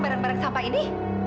barang barang sampah ini